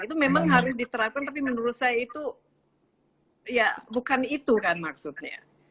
itu memang harus diterapkan tapi menurut saya itu ya bukan itu kan maksudnya